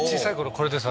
これです